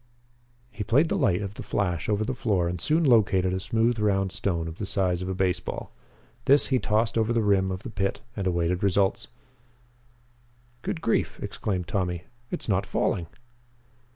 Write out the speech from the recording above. He played the light of the flash over the floor and soon located a smooth round stone of the size of a baseball. This he tossed over the rim of the pit and awaited results. "Good grief!" exclaimed Tommy. "It's not falling!"